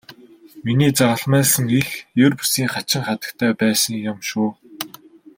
Миний загалмайлсан эх ер бусын хачин хатагтай байсан юм шүү.